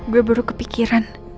gue baru kepikiran